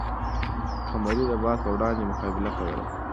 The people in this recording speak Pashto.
قمري د باد په وړاندې مقابله کوله.